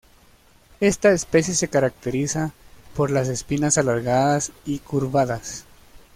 Esta especie se caracteriza por las espinas alargadas y curvadas.